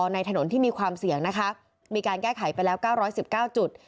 ในถนนที่มีความเสี่ยงนะคะมีการแก้ไขไปแล้ว๙๑๙จุด